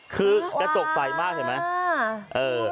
คือกระจกใสมากเห็นไหม